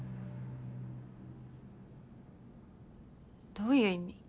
どういう意味？